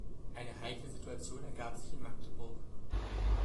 Eine heikle Situation ergab sich in Magdeburg.